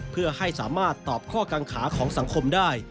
เพื่อให้สามารถตอบข้อกังขาของสังคมได้